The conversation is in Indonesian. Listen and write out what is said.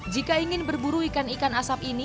jika ingin berburu ikan ikan asap ini